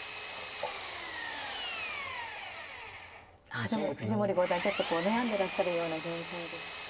あでも藤森五段ちょっとこう悩んでらっしゃるような表情ですね。